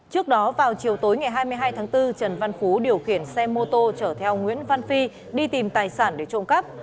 trước đó vào chiều tối ngày hai mươi hai tháng bốn trần văn phú điều khiển xe mô tô chở theo nguyễn văn phi đi tìm tài sản để trộm cắp